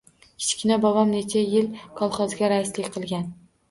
Kichkina bobom necha yil kolxozga raislik qilgan